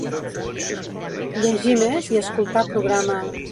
Llegir més i escoltar programa….